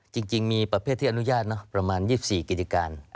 จริงมีประเภทที่อนุญาตประมาณ๒๔กิจการ